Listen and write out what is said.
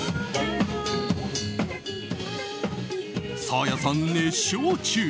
サーヤさん、熱唱中。